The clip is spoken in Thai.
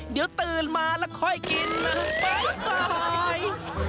เดี๋ยวตื่นมาแล้วค่อยกินนะบ๊าย